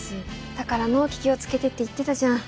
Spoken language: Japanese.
だから納期気をつけてって言ってたじゃん。